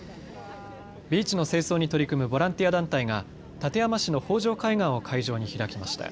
ビーチの清掃に取り組むボランティア団体が館山市の北条海岸を会場に開きました。